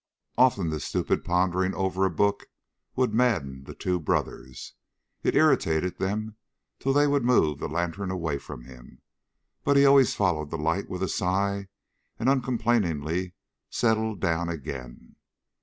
Often this stupid pondering over a book would madden the two brothers. It irritated them till they would move the lantern away from him. But he always followed the light with a sigh and uncomplainingly settled down again.